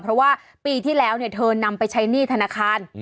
เพราะว่าปีที่แล้วเธอนำไปใช้หนี้ธนาคาร